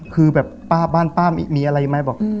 คือแบบป้าบ้านป้ามีอะไรไหมบอก